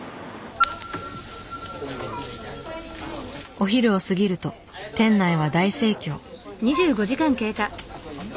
お昼を過ぎると店内は大盛況。